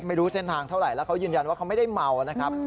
ไม่รู้เส้นทางเท่าไหร่แล้วเขายืนยันว่าเขาไม่ได้เมานะครับ